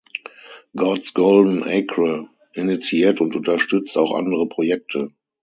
God’s Golden Acre initiiert und unterstützt auch andere Projekte.